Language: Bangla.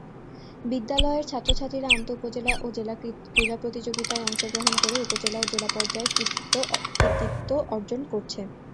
বিদ্যালয়ের ছাত্র-ছাত্রীরা আন্তঃ উপজেলা ও জেলা ক্রীড়া প্রতিযোগীতায় অংশগ্রহণ করে উপজেলা ও জেলা পর্যায়ে কৃতিত্ব অর্জন করছে।